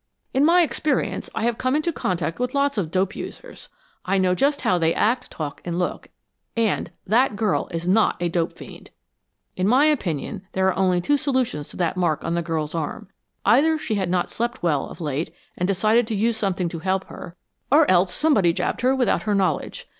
"In my experience I have come into contact with lots of dope users. I know just how they act, talk and look and THAT GIRL IS NOT A DOPE FIEND. In my opinion there are only two solutions to that mark on the girl's arm. Either she has not slept well of late, and decided to use something to help her, or else somebody jabbed her without her knowledge.